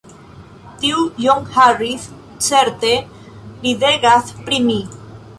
Tiu John Harris, certe, ridegas pri mi!